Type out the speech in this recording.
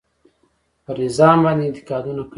پر نظام باندې انتقادونه کوي.